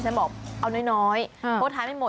ฉันบอกเอาน้อยเพราะทานไม่หมด